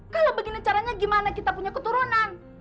kalau begini caranya gimana kita punya keturunan